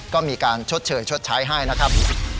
ก็มีการชดเชยชดใช้ให้นะครับ